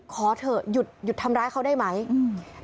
ขอเถอะหยุดหยุดทำร้ายเขาได้ไหมอืม